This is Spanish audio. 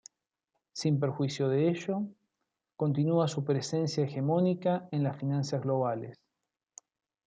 Sin perjuicio de ello, continúa su presencia hegemónica en las finanzas globales.